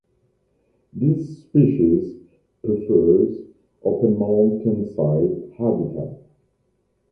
This species prefers open mountainside habitat.